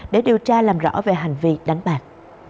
để điều tra làm rõ về hành vi đánh bạc